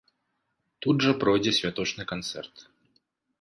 Тут жа пройдзе святочны канцэрт.